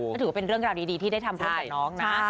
ก็ถือว่าเป็นเรื่องราวดีที่ได้ทำร่วมกับน้องนะ